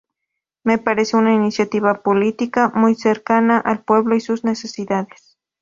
Me parece una iniciativa política muy cercana al pueblo y sus necesidades.